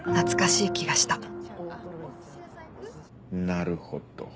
なるほど。